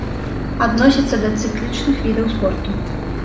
Адносіцца да цыклічных відаў спорту.